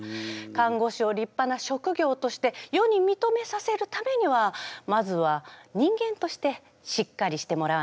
看護師を立派な職業として世にみとめさせるためにはまずは慎吾ママは人間としてしっかりしていますか？